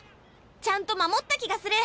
ちゃんと守った気がする。